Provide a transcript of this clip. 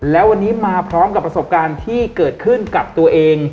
แล้ววันนี้มาพร้อมกับประสบการณ์ที่เกิดขึ้นกับตัวเอง